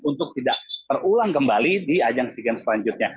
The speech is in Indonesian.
untuk tidak terulang kembali di ajang sea games selanjutnya